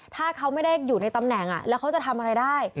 ถ้าเขาไม่ได้อยู่ในตำแหน่งแล้วเขาจะทำอะไรได้